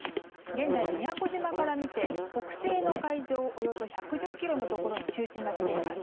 現在、宮古島から見て北西の海上およそ１１０ｋｍのところに中心が来ています。